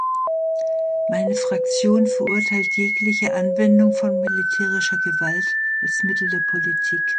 Meine Fraktion verurteilt jegliche Anwendung von militärischer Gewalt als Mittel der Politik.